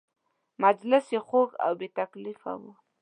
مجلس یې خوږ او بې تکلفه و.